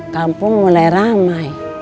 kampung mulai ramai